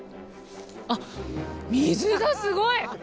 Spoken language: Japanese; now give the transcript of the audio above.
あっ水がすごい！